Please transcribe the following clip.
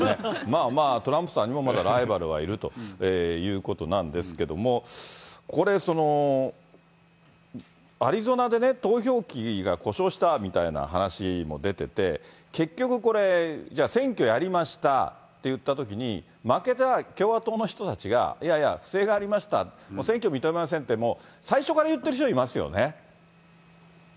まあまあ、トランプさんにもまだライバルはいるということなんですけども、これ、アリゾナでね、投票機が故障したみたいな話も出てて、結局、これ、じゃあ、選挙やりましたっていったときに、負けた共和党の人たちが、いやいや、不正がありました、選挙認めませんって最初から言ってる人いますよね。